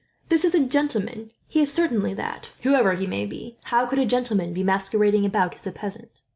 This is a gentleman. He is certainly that, whoever he may be. How could a gentleman be masquerading about as a peasant?"